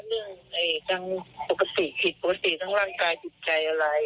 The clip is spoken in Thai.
คือไม่มีภาวะเรื่องปกติผิดปกติทั้งร่างกายผิดใจอะไร